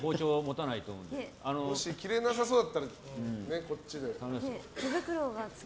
もし切れなさそうだったらこっちで。